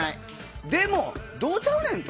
でも、どうちゃうねん？と。